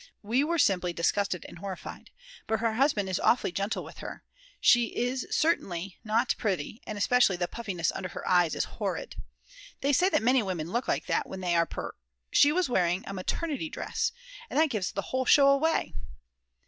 We were simply disgusted and horrified. But her husband is awfully gentle with her; She is certainly not pretty and especially the puffiness under her eyes is horrid. They say that many women look like that when they are pr. She was wearing a maternity dress, and that gives the whole show away!